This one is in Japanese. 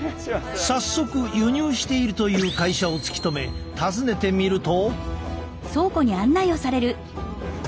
早速輸入しているという会社を突き止め訪ねてみると。